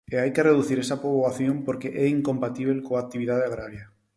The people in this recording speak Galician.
E hai que reducir esa poboación porque é incompatíbel coa actividade agraria.